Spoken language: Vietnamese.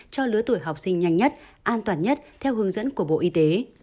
cho lứa tuổi học sinh nhanh nhất an toàn nhất theo hướng dẫn của bộ y tế